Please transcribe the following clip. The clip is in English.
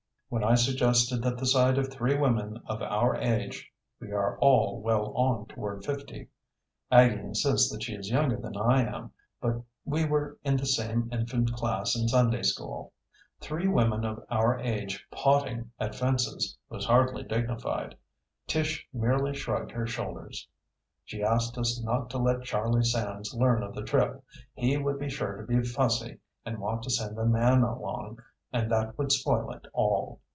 When I suggested that the sight of three women of our age we are all well on toward fifty; Aggie insists that she is younger than I am, but we were in the same infant class in Sunday school three women of our age "potting" at fences was hardly dignified, Tish merely shrugged her shoulders. She asked us not to let Charlie Sands learn of the trip. He would be sure to be fussy and want to send a man along, and that would spoil it all.